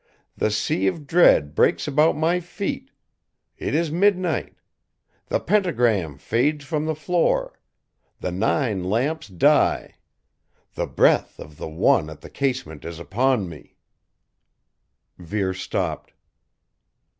"The Sea of Dread breaks about my feet. It is midnight. The pentagram fades from the floor the nine lamps die the breath of the One at the casement is upon me " Vere stopped.